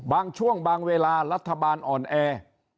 บางช่วงบางเวลารัฐบาลอ่อนแอ